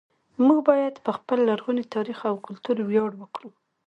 موږ باید په خپل لرغوني تاریخ او کلتور ویاړ وکړو